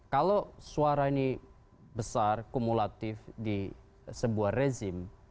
kalau suara ini besar kumulatif di sebuah rezim